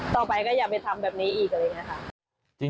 ต่อไปก็อยากไปทำแบบนี้อีก